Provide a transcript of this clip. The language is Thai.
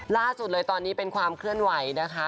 ล่าสุดเลยตอนนี้เป็นความเคลื่อนไหวนะคะ